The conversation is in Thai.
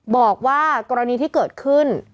บอกว่ากรณีที่เกิดขึ้น